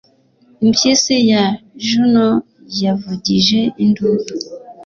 Impyisi ya Juno yavugije induru